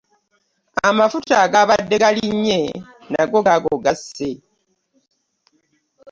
Amafuta agabadde galinnye nago gaago gasse.